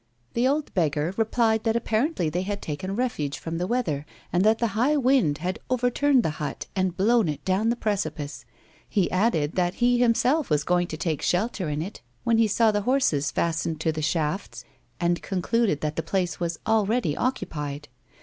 The old beggar replied that apparently they had taken refuge from the weather, and that the high wind had over turned the hut, and blown it down the precipice. He added that he himself was going to take shelter in it when he saw the horses fastened to the shafts and concluded that the place was already occupied.